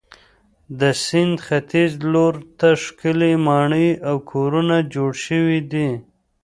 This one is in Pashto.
د سیند ختیځ لور ته ښکلې ماڼۍ او کورونه جوړ شوي دي.